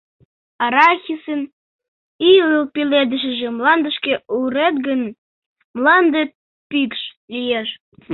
Арахисын ӱлыл пеледышыжым мландышке урет гын, «мланде пӱкш» лиеш.